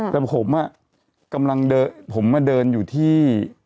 แต่ผมน่ะกำลังเดินอยู่ที่